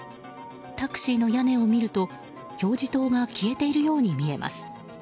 タクシーの屋根を見ると表示灯が消えているように見えます。